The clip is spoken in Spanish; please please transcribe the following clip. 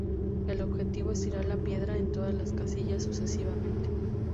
El objetivo es tirar la piedra en todas las casillas sucesivamente.